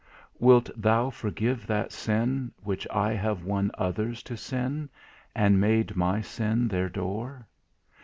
"Wilt Thou forgive that sin, which I have won Others to sin, and made my sin their door?